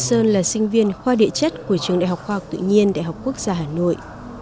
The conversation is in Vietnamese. nguyễn sơn là sinh viên khoa địa chất của trường đại học khoa học tự nhiên đại học quốc gia hà nội